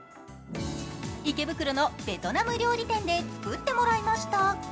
池袋のベトナム料理店で作ってもらいました。